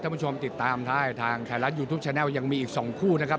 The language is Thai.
ท่านผู้ชมติดตามทางไทยรัฐยูทูปแชนแนลยังมีอีกสองคู่นะครับ